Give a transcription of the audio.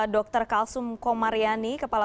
dr kalsum komaryani kepala